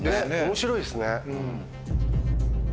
面白いですね。